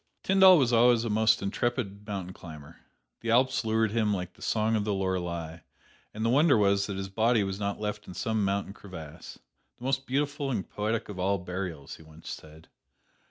Tyndall was always a most intrepid mountain climber. The Alps lured him like the song of the Lorelei, and the wonder was that his body was not left in some mountain crevasse, "the most beautiful and poetic of all burials," he once said.